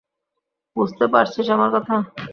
বুঝতে পারছিস আমার কথা?